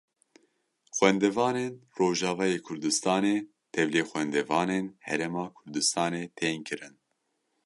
Xwendevanên Rojavayê Kurdistanê tevlî xwendevanên Herêma Kurdistanê tên kirin.